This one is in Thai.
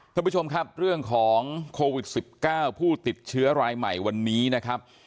ท่านผู้ชมครับเรื่องของโควิด๑๙ผู้ติดเชื้อรายใหม่วันนี้นะครับ